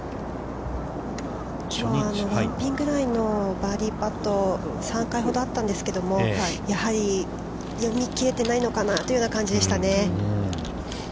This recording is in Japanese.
◆ティーグラウンドのバーディーパットが３回ぐらいあったんですけども、やはり読み切れてないのかなという感じでしたね。